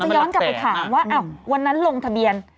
ย้อนกลับไปถามว่าวันนั้นลงทะเบียน